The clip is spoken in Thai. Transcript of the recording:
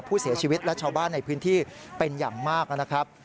ผู้เสียชีวิตและชาวบ้านในพื้นที่เป็นอย่างมากนะครับ